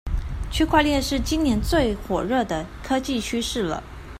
區塊鏈是今年最火熱的科技趨勢了